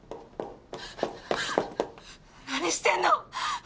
ハァ何してんの！